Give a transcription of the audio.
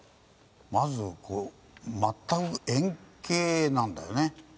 まずこれ全く円形なんだよね。